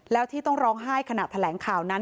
แล้วที่ต้องร้องไห้ขณะแถลงข่าวนั้น